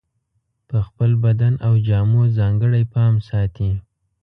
په خپل بدن او جامو ځانګړی پام ساتي.